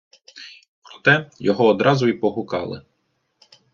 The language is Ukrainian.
Проте його одразу й погукали.